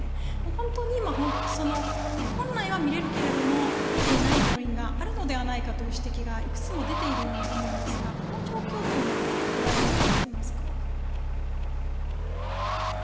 本当に今、本来は診れるけど診ていない病院があるのではないかという指摘がいくつも出ているように思うんですがこの状況というのはどう捉えられていますか？